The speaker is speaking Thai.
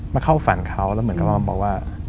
มาเข้าฝันเขาแล้วเหมือนกับมาบอกว่า